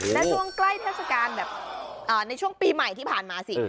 และช่วงใกล้เทศกาลแบบในช่วงปีใหม่ที่ผ่านมาสิ